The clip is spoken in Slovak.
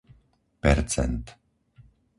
percent